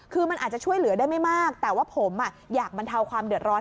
คือมันอาจจะช่วยเหลือได้ไม่มากแต่ว่าผมอยากบรรเทาความเดือดร้อน